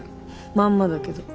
まんまだけど。